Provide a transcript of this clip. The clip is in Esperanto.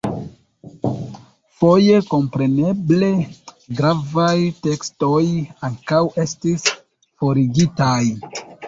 Foje, kompreneble, gravaj tekstoj ankaŭ estis forigitaj.